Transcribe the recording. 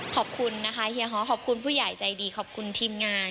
ขอบคุณนะคะเฮียฮ้อขอบคุณผู้ใหญ่ใจดีขอบคุณทีมงาน